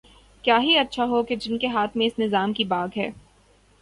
کیا ہی اچھا ہو کہ جن کے ہاتھ میں اس نظام کی باگ ہے۔